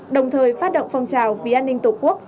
đồng thời phát động phòng trào vì an ninh tổ chức